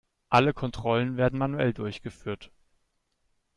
Alle Kontrollen werden manuell durchgeführt.